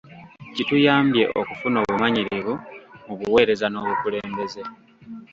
Kituyambye okufuna obumanyirivu mu buweereza n'obukulembeze.